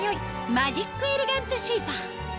マジックエレガントシェイパー